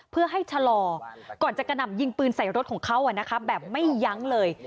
เพื่อให้ชะลอก่อนจะกระหน่ำยิงปืนใส่รถของเขาแบบไม่ยั้งเลย